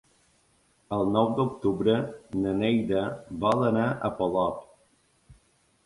El nou d'octubre na Neida vol anar a Polop.